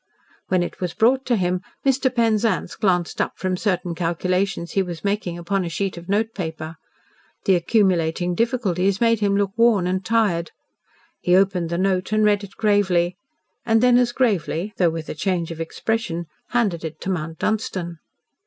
When it was brought to him Mr. Penzance glanced up from certain calculations he was making upon a sheet of note paper. The accumulating difficulties made him look worn and tired. He opened the note and read it gravely, and then as gravely, though with a change of expression, handed it to Mount Dunstan.